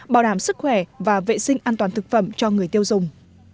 bảo đảm sức khỏe và vệ sinh an toàn thực phẩm cho người tiêu dùng